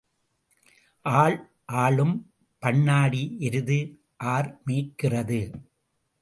ஆள் ஆளும் பண்ணாடி எருது ஆர் மேய்க்கிறது?